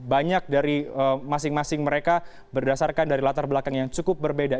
banyak dari masing masing mereka berdasarkan dari latar belakang yang cukup berbeda